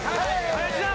林田！